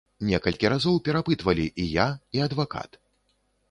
Некалькі разоў перапытвалі і я, і адвакат.